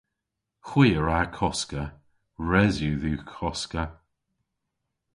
Hwi a wra koska. Res yw dhywgh koska.